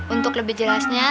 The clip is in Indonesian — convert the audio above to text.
untuk lebih jelasnya